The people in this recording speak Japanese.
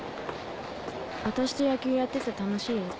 私と野球やってて楽しい？